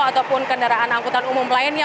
ataupun kendaraan angkutan umum lainnya